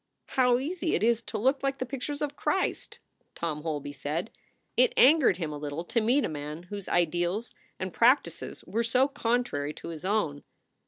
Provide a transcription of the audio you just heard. "How easy it is to look like the pictures of Christ!" Tom Holby said. It angered him a little to meet a man whose ideals and practices were so contrary to his own.